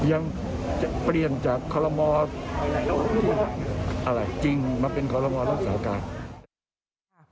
ยังจะเพลียรจากคมประยุทธ์จริงมาเป็นครมประโยชน์ลักษณ์สาวการณ์